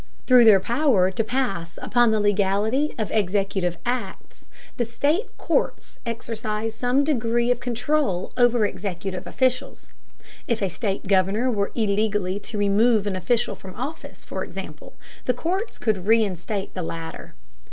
Through their power to pass upon the legality of executive acts, the state courts exercise some degree of control over executive officials. If a state governor were illegally to remove an official from office, for example, the courts could reinstate the latter.